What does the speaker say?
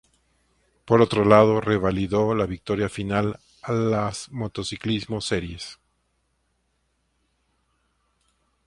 Por otro lado, revalidó la victoria final a las "Motociclismo Series".